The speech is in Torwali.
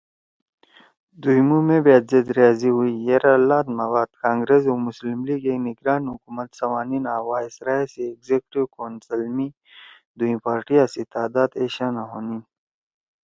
دُھوئیمُو مے بأت زید راضی ہُوئی یرأ لات ما بعد کانگرس او مسلم لیگ اے نگران حکومت سوانیِن آں وائسرائے سی ایکزیکٹیو کونسل (Executive Council) می دُھوئں پارٹیاں سی تعداد ایشانا ہونیِن